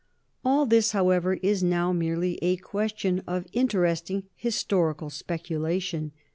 All this, however, is now merely a question of interesting historical speculation.